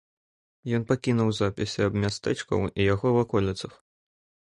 Ён пакінуў запісы аб мястэчку і яго ваколіцах.